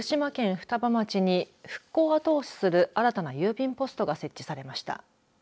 双葉町に復興を後押しする新たな郵便ポストが設置されました。